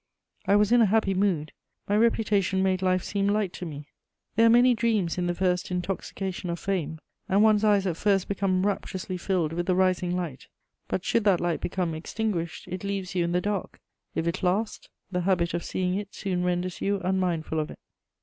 I was in a happy mood; my reputation made life seem light to me: there are many dreams in the first intoxication of fame, and one's eyes at first become rapturously filled with the rising light; but should that light become extinguished, it leaves you in the dark: if it last, the habit of seeing it soon renders you unmindful of it.